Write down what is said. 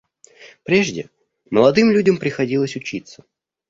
Прежде молодым людям приходилось учиться.